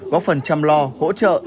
góp phần chăm lo hỗ trợ